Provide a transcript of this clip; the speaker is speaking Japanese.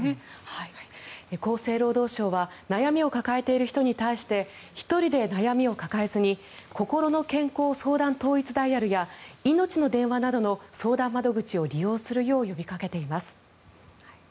厚生労働省は悩みを抱えている人に対して１人で悩みを抱えずにこころの健康相談統一ダイヤルやいのちの電話などの相談窓口を利用するよう呼びかけています。